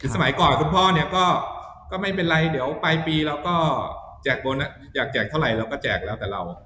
สมัยก่อนคุณพ่อเนี่ยก็ไม่เป็นไรเดี๋ยวปลายปีเราก็แจกบนอยากแจกเท่าไหร่เราก็แจกแล้วแต่เรา